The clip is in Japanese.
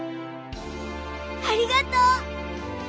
ありがとう！